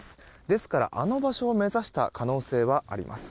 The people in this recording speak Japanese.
ですから、あの場所を目指した可能性はあります。